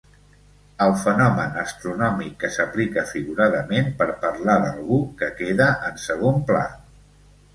El fenomen astronòmic que s'aplica figuradament per parlar d'algú que queda en segon pla.